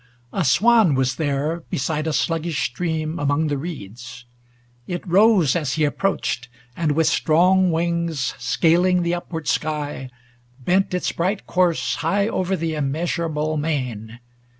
A swan was there, Beside a sluggish stream among the reeds. It rose as he approached, and, with strong wings Scaling the upward sky, bent its bright course High over the immeasurable main.